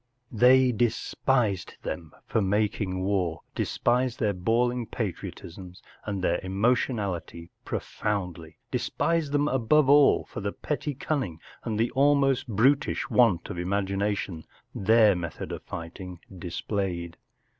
They despised them for making war ; despised their bawling patriotisms and their emotionality profoundly ; despised them, above all, for the petty cunning and the almost brutish want of imagination their method of fighting displayed.